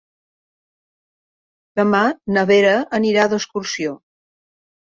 Demà na Vera anirà d'excursió.